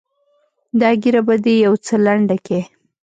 دا ږيره به دې يو څه لنډه کې.